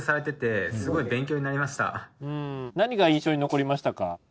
何が印象に残りましたか？